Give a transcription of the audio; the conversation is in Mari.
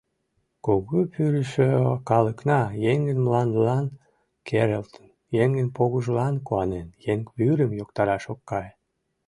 — Кугу Пӱрышӧ, калыкна еҥын мландылан керылтын, еҥын погыжлан куанен, еҥ вӱрым йоктараш ок кае.